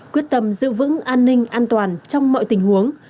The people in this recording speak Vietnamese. quyết tâm giữ vững an ninh an toàn trong mọi tình huống